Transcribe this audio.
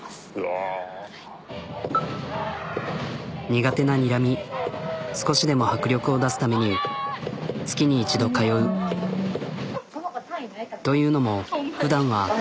苦手なにらみ少しでも迫力を出すためにというのもふだんは。